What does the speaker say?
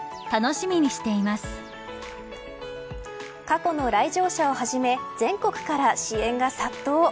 過去の来場者をはじめ全国から支援が殺到。